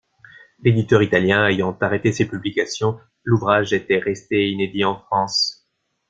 L'éditeur italien ayant arrêté ses publications, l'ouvrage était resté inédit en France.